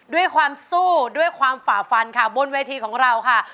ด้วยความสู้ด้วยความฝ่าฟันค่ะบนเวทีของเราค่ะ